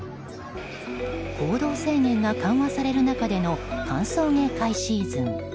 行動制限が緩和される中での歓送迎会シーズン。